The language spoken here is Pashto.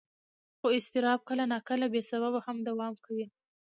خو اضطراب کله ناکله بې سببه هم دوام کوي.